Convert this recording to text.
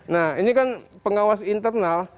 nah ini kan pengawas internal